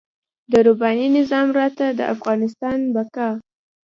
د رباني نظام راته د افغانستان د بقا.